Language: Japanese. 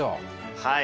はい。